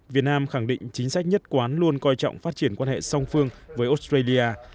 việt nam khẳng định chính sách nhất quán luôn coi trọng phát triển quan hệ song phương với australia